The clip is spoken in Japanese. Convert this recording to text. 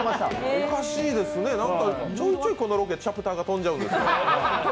おかしいですね、ちょいちょいこのロケ、チャプターが飛んじゃうんですよ。